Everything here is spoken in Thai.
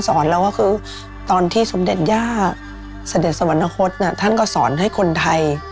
สอนแล้วคือทอนที่สมเจษยาเสด็จสวรรณคศนะท่านก็สอนให้คนไทย๑๙๙๓ตอนสมเจษยาเสด็จสวรรณคศน่ะท่านก็สอนให้คนไทย